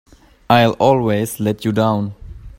I'll always let you down!